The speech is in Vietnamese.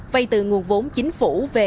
vay từ nguồn vốn chính phủ về